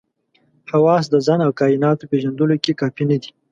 حواس د ځان او کایناتو پېژندلو کې کافي نه دي.